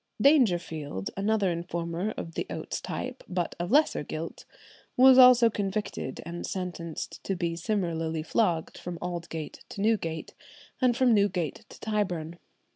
"[124:1] Dangerfield, another informer of the Oates type, but of lesser guilt, was also convicted and sentenced to be similarly flogged from Aldgate to Newgate, and from Newgate to Tyburn.